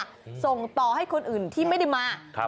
ที่ส่งต่อให้คนอื่นที่ไม่มา